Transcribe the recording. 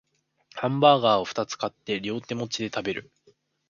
ハンバーガーをふたつ買って両手持ちで食べる